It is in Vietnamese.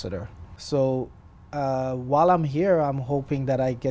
để tôi nói về